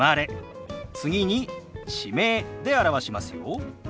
次に地名で表しますよ。